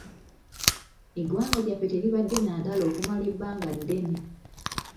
Eggwanga lyaffe teribadde na ntalo okumala ebbanga ddene.